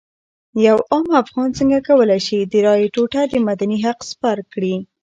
یو عام افغان څنګه کولی شي د رایې ټوټه د مدني حق سپر کړي.